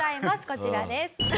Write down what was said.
こちらです。